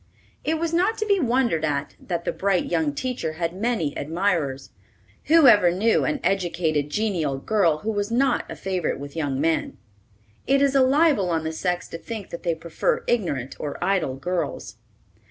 It was not to be wondered at that the bright young teacher had many admirers. Who ever knew an educated, genial girl who was not a favorite with young men? It is a libel on the sex to think that they prefer ignorant or idle girls.